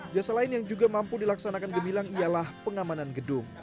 jasa lain yang juga mampu dilaksanakan gemilang ialah pengamanan gedung